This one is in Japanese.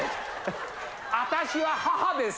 私は母です。